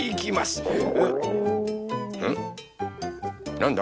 なんだ？